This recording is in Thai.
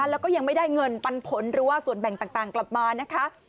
แล้วก็ยังไม่ได้เงินปันผลหรือว่าส่วนแบ่งต่างกลับมานะคะ